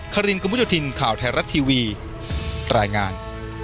ครินกมุโยธินข่าวไทยรัฐทีวีรายงาน